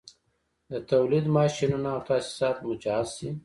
د تولید ماشینونه او تاسیسات مجهز شي